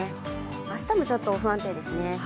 明日もちょっと不安定ですね。